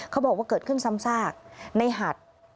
เขาบอกว่าเกิดขึ้นซ้ำซากในหัด